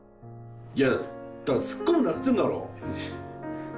いやだから突っ込むなっつってんだろ。